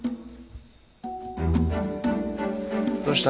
どうした？